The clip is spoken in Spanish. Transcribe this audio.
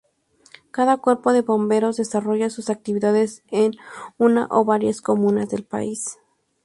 Cada Cuerpo de Bomberos desarrolla sus actividades en una o varias comunas del país.